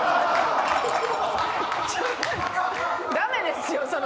ダメですよその。